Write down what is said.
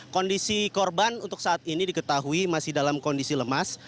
kondisi korban untuk saat ini diketahui masih dalam kondisi lemas